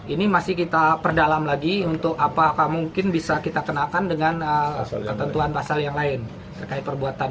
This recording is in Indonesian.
ini masih kita perdalam lagi untuk apakah mungkin bisa kita kenakan dengan ketentuan pasal yang lain terkait perbuatan